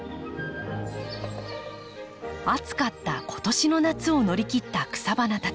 暑かった今年の夏を乗り切った草花たち。